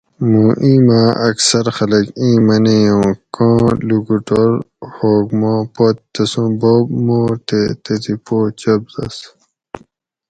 موں اِیماۤ اکثر خلک اِیں منیں اُوں کاں لوکوٹور ہوگ ما پت تسوں بوب مور تے تتھی پو چبدس